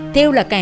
thêu là kẻ